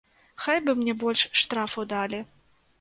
Хай бы мне больш штрафу далі.